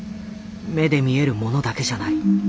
目で見えるものだけじゃない。